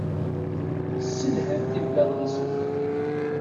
Sselhant igmaḍ-nsent.